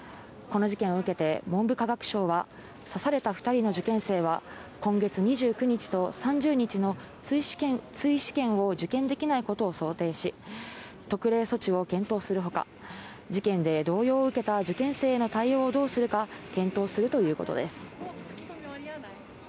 この事件を受けて文部科学省は、刺された２人の受験生は、今月２９日と３０日の追試験を受験できないことを想定し、特例措置を検討するほか、事件で動揺を受けた受験生への対応をどうするか検討するということです。